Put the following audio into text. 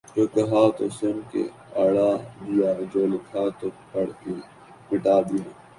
جو کہا تو سن کے اڑا دیا جو لکھا تو پڑھ کے مٹا دیا